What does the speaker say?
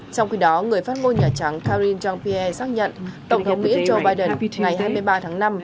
trong khi đó người phát ngôn nhà trắng karine jean pierre xác nhận tổng thống mỹ joe biden ngày hai mươi ba tháng năm